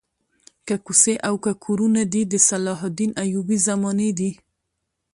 که کوڅې او که کورونه دي د صلاح الدین ایوبي زمانې دي.